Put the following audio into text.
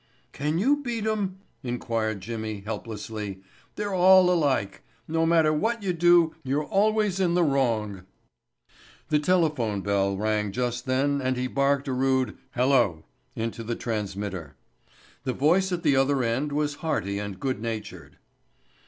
"Can you beat 'em," inquired Jimmy, helplessly. "They're all alike. No matter what you do you're always in wrong." The telephone bell rang just then and he barked a rude "hello" into the transmitter. The voice at the other end was hearty and good natured.